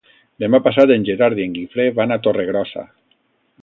Demà passat en Gerard i en Guifré van a Torregrossa.